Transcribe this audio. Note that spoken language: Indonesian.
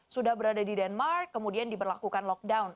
sudah berada di denmark kemudian diberlakukan lockdown